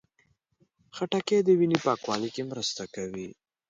خټکی د وینې پاکوالي کې مرسته کوي.